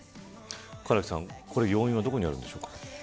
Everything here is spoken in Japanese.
唐木さん、これ要因はどこにあるんでしょうか。